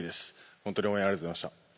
本当に応援ありがとうございました。